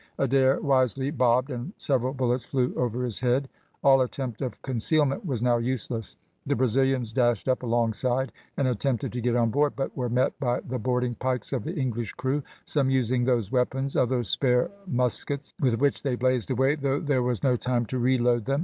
Adair wisely bobbed, and several bullets flew over his head. All attempt of concealment was now useless. The Brazilians dashed up alongside and attempted to get on board, but were met by the boarding pikes of the English crew; some using those weapons, others spare muskets, with which they blazed away, though there was no time to reload them.